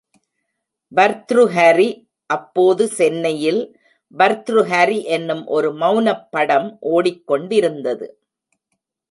பர்த்ருஹரி அப்போது சென்னையில் பர்த்ருஹரி என்னும் ஒரு மெளனப்படம் ஒடிக்கொண்டிருந்தது.